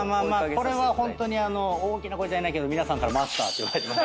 これはホントに大きな声じゃ言えないけど皆さんから。て呼ばれてます。